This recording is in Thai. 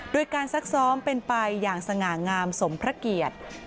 โดยการซักซ้อมเป็นไปอย่างสง่างามสมพระเกียรติ